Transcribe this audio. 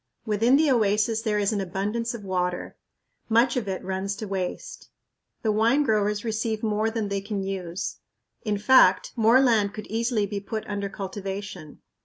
Within the oasis there is an abundance of water. Much of it runs to waste. The wine growers receive more than they can use; in fact, more land could easily be put under cultivation.